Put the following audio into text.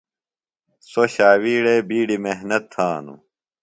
سوۡ ݜاوِیڑے بِیڈیۡ محنت تھانوۡ۔